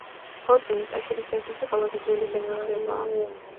ოძუნი ტაშირის ერთ-ერთი ყველაზე ძველი დასახლებაა.